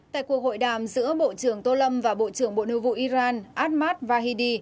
tại cuộc hội đàm giữa bộ trưởng tô lâm và bộ trưởng bộ nữ vụ iran ahmad fahidi